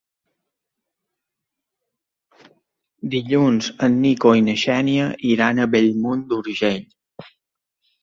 Dilluns en Nico i na Xènia iran a Bellmunt d'Urgell.